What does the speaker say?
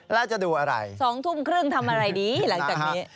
แล้วจะดูอะไร๒ทุ่มครึ่งทำอะไรดีหลังจากนี้